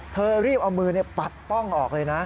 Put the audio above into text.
เธอรีบเอามือปัดป้องออกเลยนะ